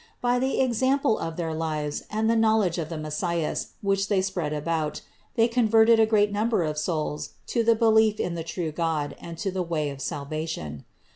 By the example of their lives and the knowledge of the 482 CITY OF GOD Messias, which they spread about, they converted a great number of souls to the belief in the true God and to the way of salvation.